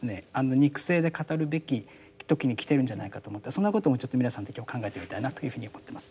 肉声で語るべき時に来ているんじゃないかと思ってそんなこともちょっと皆さんと今日考えてみたいなというふうに思ってます。